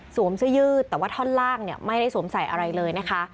เสื้อยืดแต่ว่าท่อนล่างไม่ได้สวมใส่อะไรเลยนะคะ